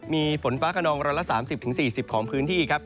มีฝนฟ้าขนอง๑๓๐๔๐ของพื้นที่ครับ